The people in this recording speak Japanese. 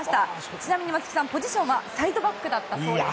ちなみに松木さんポジションはサイドバックです。